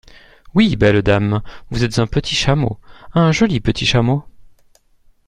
Oui, belle dame, vous êtes un petit chameau, un joli petit chameau…